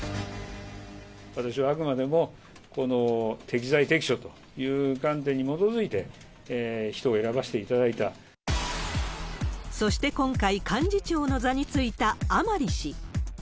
私はあくまでも適材適所という観点に基いて人を選ばせていたそして今回、幹事長の座に就いた甘利氏。